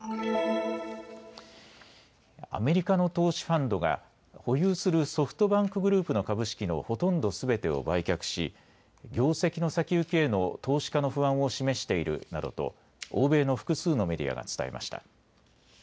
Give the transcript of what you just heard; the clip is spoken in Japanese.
アメリカの投資ファンドが保有するソフトバンクグループの株式のほとんどすべてを売却し業績の先行きへの投資家の不安を示しているなどと欧米の複数のメディアが伝えました。